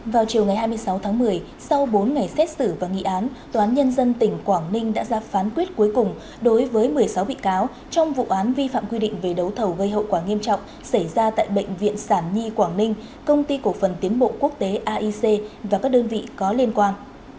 vào chiều ngày hai mươi sáu tháng một mươi sau bốn ngày xét xử và nghị án tòa án nhân dân tỉnh quảng ninh đã ra phán quyết cuối cùng đối với một mươi sáu bị cáo trong vụ án vi phạm quy định về đấu thầu gây hậu quả nghiêm trọng xảy ra tại bệnh viện sản nhi quảng ninh công ty cổ phần tiến bộ quốc tế aic và các đơn vị có liên quan